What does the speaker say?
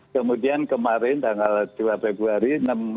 kemudian kemarin tanggal dua februari enam belas